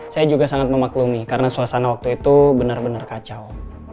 saya juga sangat memaklumi karena suasana waktu itu benar benar kacau